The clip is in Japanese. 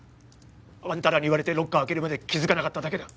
あんたらに言われてロッカー開けるまで気づかなかっただけだ。